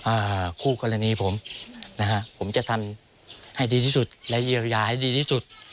อ่าคู่กรณีผมนะฮะผมจะทำให้ดีที่สุดและเยียวยาให้ดีที่สุด